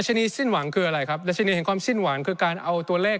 ชนีสิ้นหวังคืออะไรครับดัชนีแห่งความสิ้นหวังคือการเอาตัวเลข